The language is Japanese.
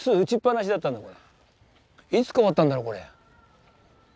いつ変わったんだろうこれ。